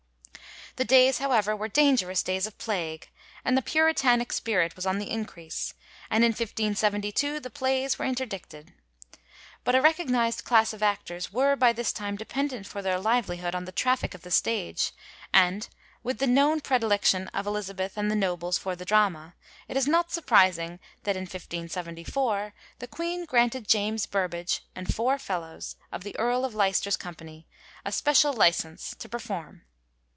The days, however, were dangerous days of plague, and the Puritanic spirit was on the increase, and in 1572 the plays were interdicted. But a recognised class of actors were by this time dependent for their livelihood on the traffic of the stage, and, with the known predilection of Elizabeth and the nobles for the drama, it is not surprising that in 1574 the Queen granted James Burbage and four fellows of the Earl of Leicester's company a special licence to perform.